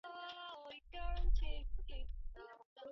之后林渊源再将白派事务传承给王金平。